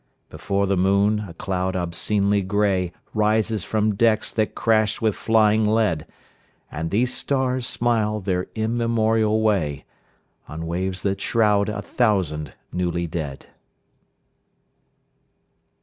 Before the moon, a cloud obscenely grey Rises from decks that crash with flying lead. And these stars smile their immemorial way On waves that shroud a thousand newly dead!